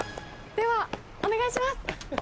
ではお願いします。